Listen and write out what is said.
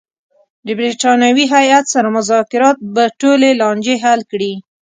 د برټانوي هیات سره مذاکرات به ټولې لانجې حل کړي.